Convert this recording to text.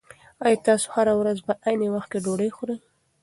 ایا تاسي هره ورځ په عین وخت کې ډوډۍ خورئ؟